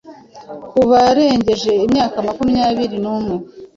ku barengeje imyaka makumyabiri nu mwe,